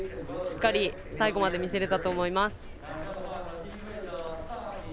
しっかり最後まで見せれたと思います。